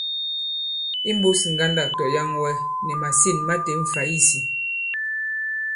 Imbūs ŋgandâk tɔ̀yaŋwɛ, nì màsîn ma têm fày isī.